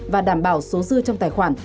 và đảm bảo số dư trong tài khoản